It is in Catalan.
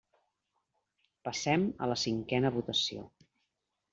Passem a la cinquena votació.